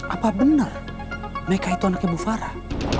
apa bener meka itu anaknya bu farah